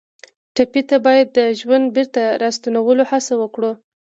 ټپي ته باید د ژوند بېرته راستنولو هڅه وکړو.